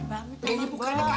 ini bukan masakan